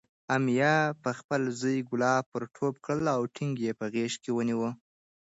امیه پخپل زوی کلاب ورټوپ کړل او ټینګ یې په غېږ کې ونیو.